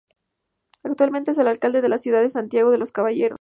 Actualmente es el Alcalde de la ciudad de Santiago de los Caballeros.